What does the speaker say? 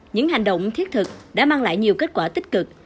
những hành động thiết thực đã mang lại nhiều kết quả tích cực